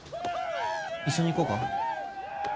一緒に行こうか？